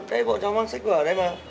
đấy bộ cháu mang xích của ở đây mà